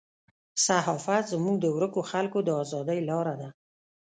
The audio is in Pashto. صحافت زموږ د ورکو خلکو د ازادۍ لاره ده.